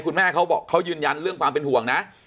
เขาบอกเขายืนยันเรื่องความเป็นห่วงนะ